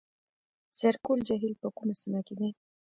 زرکول جهیل په کومه سیمه کې دی؟